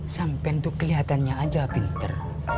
sampen tuh kelihatannya aja pinter